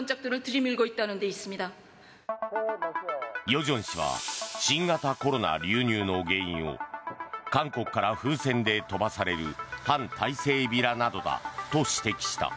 与正氏は新型コロナ流入の原因を韓国から風船で飛ばされる反体制ビラなどだと指摘した。